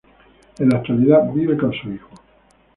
En la actualidad vive con su hijo.